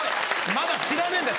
まだ知らねえんだよ